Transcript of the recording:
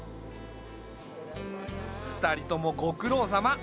２人ともご苦労さま。